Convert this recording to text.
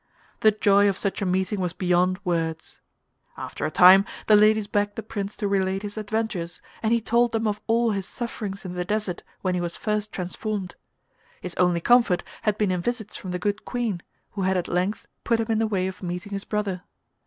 The joy of such a meeting was beyond words. After a time the ladies begged the Prince to relate his adventures, and he told them of all his sufferings in the desert when he was first transformed. His only comfort had been in visits from the Good Queen, who had at length put him in the way of meeting his brother.